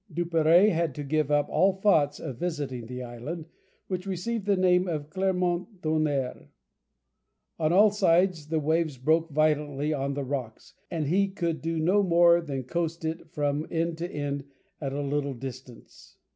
Duperrey had to give up all thoughts of visiting the island, which received the name of Clermont Tonnerre. On all sides the waves broke violently on the rocks, and he could do no more than coast it from end to end at a little distance.